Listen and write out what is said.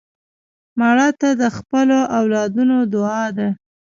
مړه ته د خپلو اولادونو دعا ده